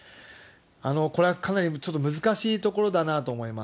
これはかなりちょっと難しいところだなと思います。